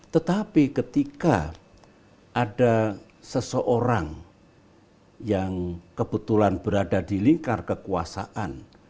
tetapi ketika ada seseorang yang kebetulan berada di lingkar kekuasaan